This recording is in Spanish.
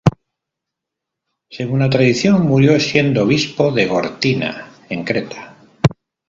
Según la tradición, murió siendo obispo de Gortina, en Creta.